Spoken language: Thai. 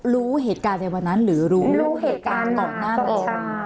รู้เหตุการณ์ในวันนั้นหรือรู้เหตุการณ์ต่อหน้าใช่รู้เหตุการณ์ต่อหน้า